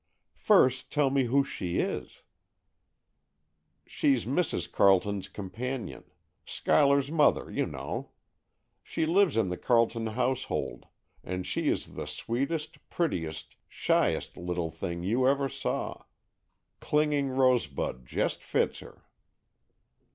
"First tell me who she is." "She's Mrs. Carleton's companion. Schuyler's mother, you know. She lives in the Carleton household, and she is the sweetest, prettiest, shyest little thing you ever saw! 'Clinging rosebud' just fits her."